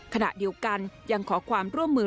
ขณะเดียวกันยังขอความร่วมมือ